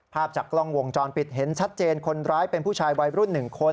ภาพจากกล้องวงจรปิดเห็นชัดเจนคนร้ายเป็นผู้ชายวัยรุ่น๑คน